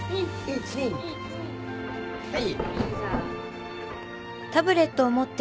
はい。